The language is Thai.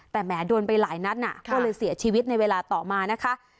แต่แหมโดนไปหลายนัดก็เลยเสียชีวิตในเวลาต่อมานะคะ